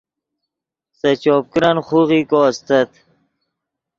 سے چوپ کرن خوغیکو استت